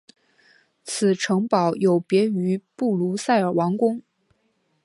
此城堡有别于布鲁塞尔王宫。